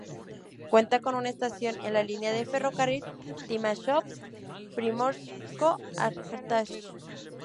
Cuenta con una estación en la línea de ferrocarril Timashovsk-Primorsko-Ajtarsk.